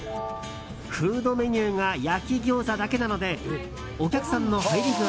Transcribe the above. フードメニューが焼き餃子だけなのでお客さんの入り具合